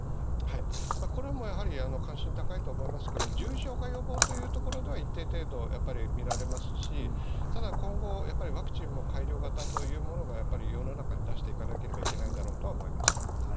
これも関心高いと思いますが重症化予防というところでは一定程度見られますしただ、今後ワクチンも改良型というものを世の中に出していかなければいけないんだろうと思います。